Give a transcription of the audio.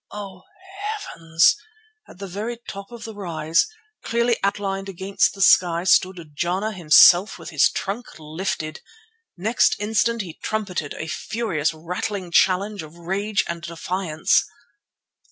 Oh Heavens! At the very top of the rise, clearly outlined against the sky, stood Jana himself with his trunk lifted. Next instant he trumpeted, a furious, rattling challenge of rage and defiance.